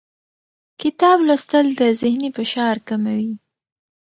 کتاب لوستل د ذهني فشار کموي